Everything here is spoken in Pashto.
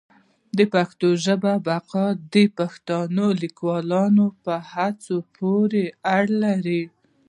د پښتو ژبي بقا د پښتنو لیکوالانو په هڅو پوري اړه لري.